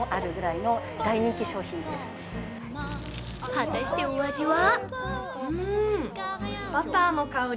果たしてお味は？